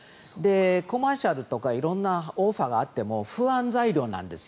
コマーシャルとか色んなオファーがあっても不安材料なんです。